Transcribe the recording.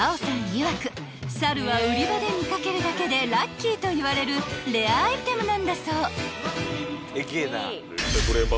いわくサルは売り場で見掛けるだけでラッキーといわれるレアアイテムなんだそう］